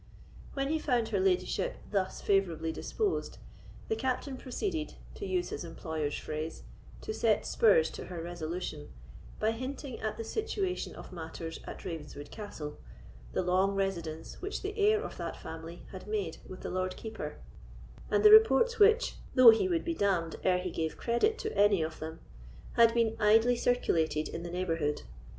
When he found her ladyship thus favourably disposed, the Captain proceeded, to use his employer's phrase, to set spurs to her resolution, by hinting at the situation of matters at Ravenswood Castle, the long residence which the heir of that family had made with the Lord Keeper, and the reports which—though he would be d—d ere he gave credit to any of them—had been idly circulated in the neighbourhood.